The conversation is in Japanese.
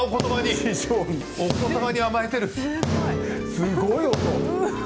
すごい音。